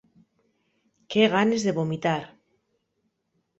¡Qué ganes de vomitar!